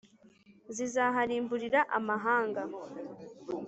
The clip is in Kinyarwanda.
Zizaharimburira amahanga